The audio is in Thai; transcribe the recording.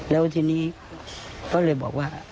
แล้วทีนี้ก็เลยบอกว่า